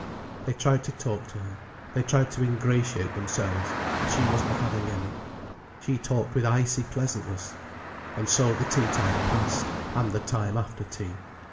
They tried to talk to her, they tried to ingratiate themselves—but she wasn't having any. She talked with icy pleasantness. And so the tea time passed, and the time after tea.